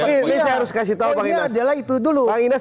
ini saya harus kasih tau bang inas